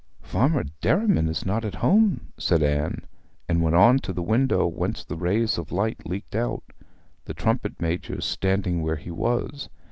Farmer Derriman is not at home,' said Anne, and went on to the window whence the rays of light leaked out, the trumpet major standing where he was.